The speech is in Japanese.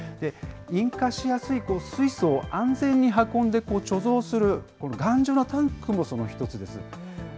引火しやすい水素を安全に運んで貯蔵する頑丈なタンクもその一つです。